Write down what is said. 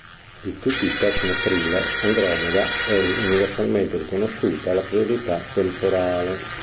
Di tutti i techno-thriller, "Andromeda" è universalmente riconosciuta la priorità temporale.